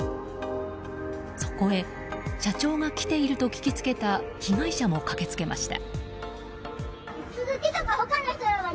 そこへ社長が来ていると聞きつけた被害者も駆けつけました。